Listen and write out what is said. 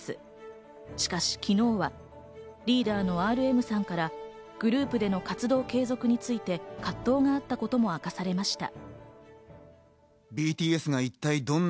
しかし、昨日はリーダーのＲＭさんからグループでの活動継続について葛藤があったことも明かされました。